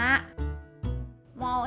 mau ikut ngerujak bareng gak